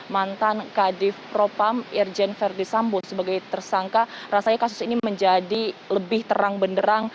mantan kadif propam irjen verdi sambo sebagai tersangka rasanya kasus ini menjadi lebih terang benderang